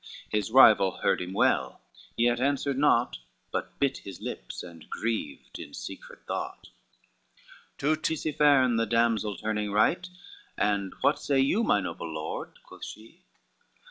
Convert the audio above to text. His rival heard him well, yet answered naught, But bit his lips, and grieved in secret thought. LXXII To Tisipherne the damsel turning right, "And what say you, my noble lord?" quoth she.